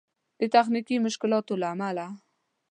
د تخنيکي مشکلاتو له امله